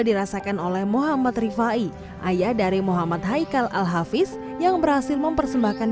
dirasakan oleh muhammad rifai ayah dari muhammad haikal al hafiz yang berhasil mempersembahkan